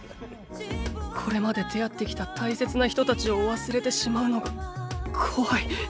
これまで出会ってきた大切な人たちを忘れてしまうのが怖い。